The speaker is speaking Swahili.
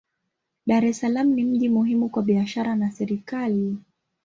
Dar es Salaam ni mji muhimu kwa biashara na serikali.